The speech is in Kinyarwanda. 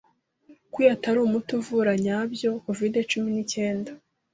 ko uyu atari "umuti uvura nyabyo" covid cumi nicyenda